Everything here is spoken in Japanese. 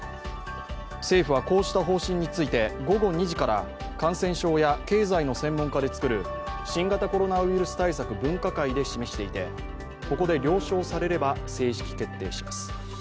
政府はこうした方針について午後２時から感染症や経済の専門家で作る新型コロナウイルス対策分科会で示していて、ここで了承されれば正式決定します。